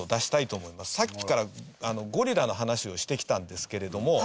さっきからゴリラの話をしてきたんですけれども。